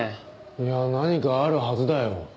いや何かあるはずだよ。